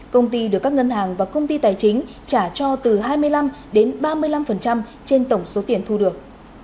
công ty tài chính trả cho từ hai mươi năm đến ba mươi năm trên tổng số tiền thu được